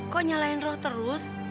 kok nyalahin roh terus